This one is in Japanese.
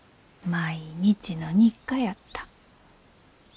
毎日の日課やった。